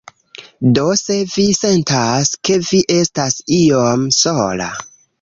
Do se vi sentas, ke vi estas iom sola